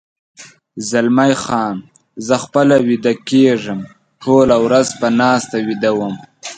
زلمی خان: زه خپله ویده کېږم، ټوله ورځ په ناسته ویده وم.